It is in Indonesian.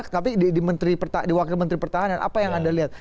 tapi di wakil menteri pertahanan apa yang anda lihat